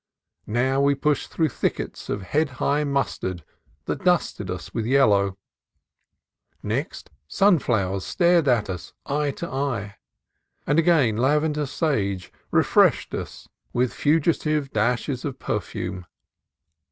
Now we pushed through thickets of head high mustard that dusted us with yellow; next, sunflowers stared at us eye to eye; and again, lavender sage refreshed us with fugi tive dashes of perfume.